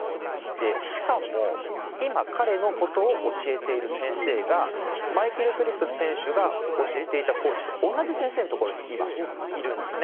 でしかも今彼の事を教えている先生がマイケル・フェルプス選手が教えていたコーチと同じ先生の所に今いるんですね。